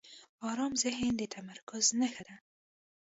آرام ذهن د تمرکز نښه ده.